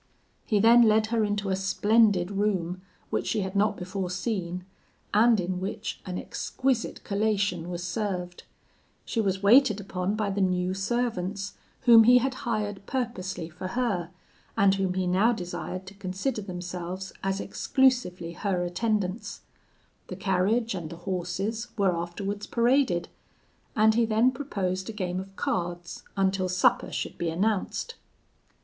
He then led her into a splendid room, which she had not before seen, and in which an exquisite collation was served; she was waited upon by the new servants, whom he had hired purposely for her, and whom he now desired to consider themselves as exclusively her attendants; the carriage and the horses were afterwards paraded, and he then proposed a game of cards, until supper should be announced.